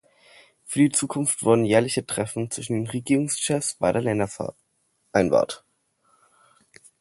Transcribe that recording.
Für die Zukunft wurden jährliche Treffen zwischen den Regierungschefs beider Länder vereinbart.